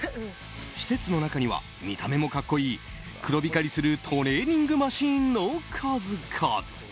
施設の中には見た目も格好いい黒光りするトレーニングマシンの数々。